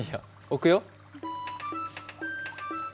置くよ。